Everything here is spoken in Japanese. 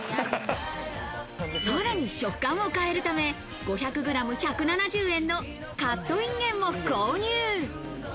さらに食感を変えるため５００ｇ１７０円のカットインゲンも購入。